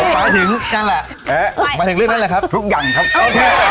มาถึงกันแหละมาถึงรุ่นหน้าแหละครับทุกอย่างครับโอเค